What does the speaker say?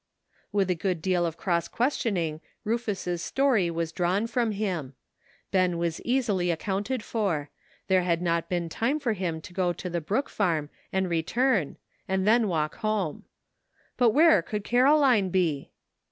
With a good deal of cross questioning Rufus' story was drawn from him. Ben was easily ac counted for; there had not been time for him to go to the Brook farm and return and then walk home; but where could Caroline be?